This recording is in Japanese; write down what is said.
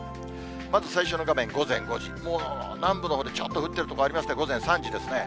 まず最初の画面、もう南部のほうでちょっと降ってる所ありまして、午前３時ですね。